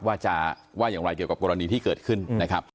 ว่าจะว่าอย่างไรเกี่ยวกับกรณีที่เกิดขึ้นนะครับ